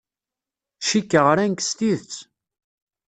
Cikkeɣ ran-k s tidet.